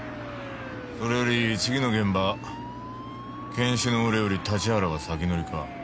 それより次の現場検視の俺より立原が先乗りか。